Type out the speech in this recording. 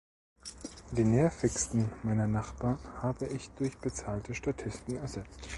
Die nervigsten meiner Nachbarn habe ich durch bezahlte Statisten ersetzt.